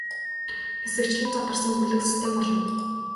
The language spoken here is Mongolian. Хэсэгчлэн задарсан бүлэг систем болно.